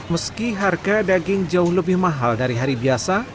meski harga daging jauh lebih mahal dari hari biasa